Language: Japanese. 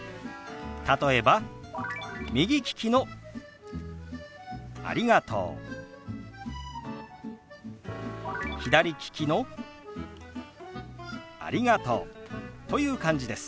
例えば右利きの「ありがとう」左利きの「ありがとう」という感じです。